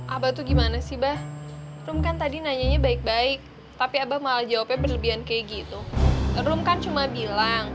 abah tuh gimana sih bah rum kan tadi nanyanya baik baik tapi abah malah jawabnya berlebihan kayak gitu rum kan cuma bilang